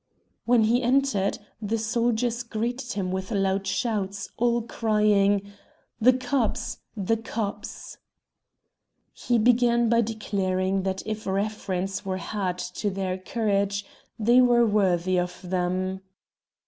When he entered, the soldiers greeted him with loud shouts, all crying: "The cups! The cups!" He began by declaring that if reference were had to their courage, they were worthy of them.